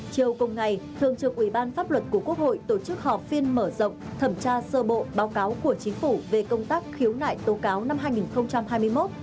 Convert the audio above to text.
chiều cùng ngày thường trực ủy ban pháp luật của quốc hội tổ chức họp phiên mở rộng thẩm tra sơ bộ báo cáo của chính phủ về công tác khiếu nại tố cáo năm hai nghìn hai mươi một